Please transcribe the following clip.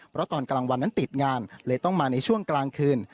เพราะตอนกลางวันนั้นติดงานเลยต้องมาในช่วงกลางคืน